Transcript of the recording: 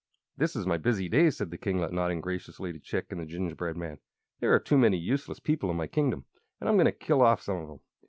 "This is my busy day," said the kinglet, nodding graciously to Chick and the gingerbread man. "There are too many useless people in my kingdom, and I'm going to kill off some of them.